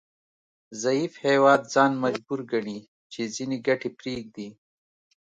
ضعیف هیواد ځان مجبور ګڼي چې ځینې ګټې پریږدي